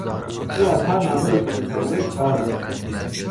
او از هر منبعی که میتوانست خبر میکشید.